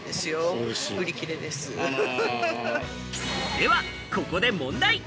では、ここで問題。